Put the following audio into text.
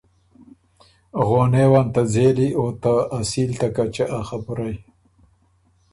غونېون ته ځېلی او ته اصیل ته کَچۀ ا خبُرئ۔